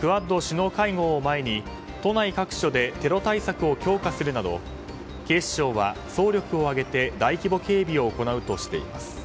クアッド首脳会合を前に都内各所でテロ対策を強化するなど警視庁は総力を挙げて大規模警備を行うとしています。